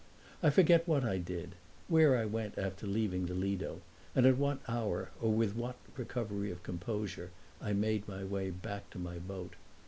I forget what I did, where I went after leaving the Lido and at what hour or with what recovery of composure I made my way back to my boat.